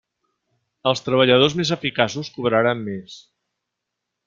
Els treballadors més eficaços cobraran més.